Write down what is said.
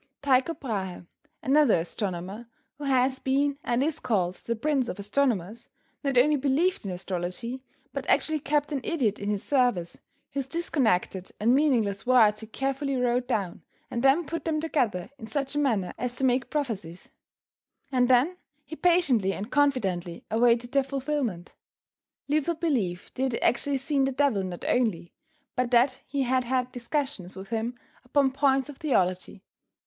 Tycho Brahe, another astronomer who has been, and is called the prince of astronomers not only believed in astrology, but actually kept an idiot in his service, whose disconnected and meaningless words he carefully wrote down and then put them together in such a manner as to make prophecies, and then he patiently and confidently awaited their fulfillment. Luther believed that he had actually seen the devil not only, but that he had had discussions with him upon points of theology.